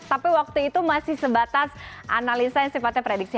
tapi waktu itu masih sebatas analisa yang sifatnya prediksi